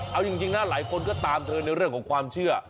เอาจริงนะหลายคนก็ตามเธอในเรื่องของความเชื่อ